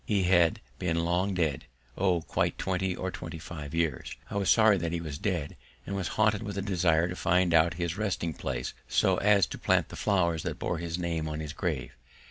He had been long dead oh, quite twenty or twenty five years. I was sorry that he was dead, and was haunted with a desire to find out his resting place so as to plant the flower that bore his name on his grave.